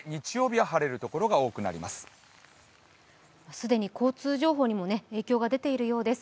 既に交通情報にも影響が出ているようです。